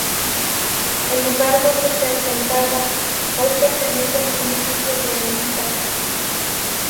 El lugar donde se asentaba, hoy pertenece al municipio de Anguita.